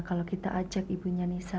kalau kita ajak ibunya nisa